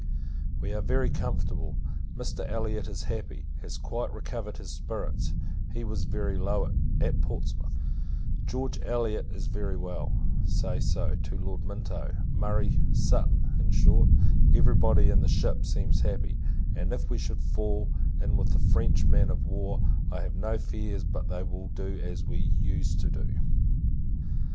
We are very comfortable. Mr. Elliot is happy, has quite recovered his spirits; he was very low, at Portsmouth. George Elliot is very well; say so, to Lord Minto. Murray, Sutton in short, every body in the ship, seems happy; and, if we should fall in with a French man of war, I have no fears but they will do as we used to do.